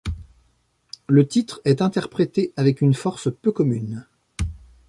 Le titre est interprété avec une force peu commune.